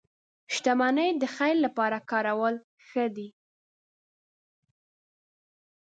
• شتمني د خیر لپاره کارول ښه دي.